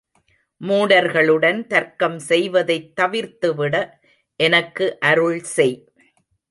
மூடர்களுடன் தர்க்கம் செய்வதைத் தவிர்த்துவிட எனக்கு அருள் செய்!